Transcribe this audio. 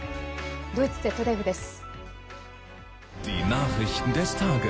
ドイツＺＤＦです。